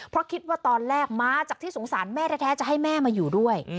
เพราะคิดว่าตอนแรกมาจากที่สงสารแม่แท้จะให้แม่มาอยู่ด้วย